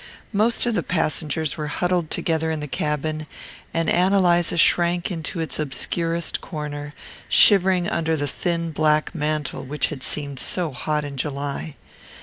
Most of the passengers were huddled together in the cabin, and Ann Eliza shrank into its obscurest corner, shivering under the thin black mantle which had seemed so hot in July.